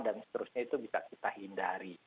seterusnya itu bisa kita hindari